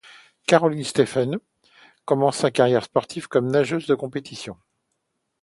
Caroline Steffen commence sa carrière sportive comme nageuse de compétition.